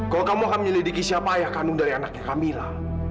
kalau kamu akan menyelidiki siapa ayah kandung dari anaknya kamila